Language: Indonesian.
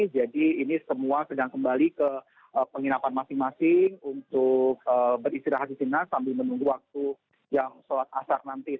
jadi ini semua sedang kembali ke penginapan masing masing untuk beristirahat di sinar sambil menunggu waktu yang sholat asar nanti